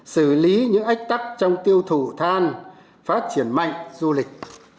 xử lý những ách tắc trong tiêu thụ than phát triển mạnh du lịch